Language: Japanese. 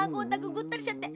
ぐったりしちゃって。